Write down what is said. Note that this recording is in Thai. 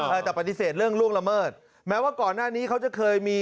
เออแต่ปฏิเสธเรื่องล่วงละเมิดแม้ว่าก่อนหน้านี้เขาจะเคยมี